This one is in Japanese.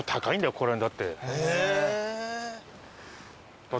ここら辺だって。